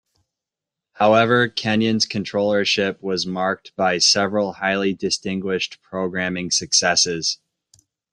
However, Kenyon's controllership was marked by several highly distinguished programming successes.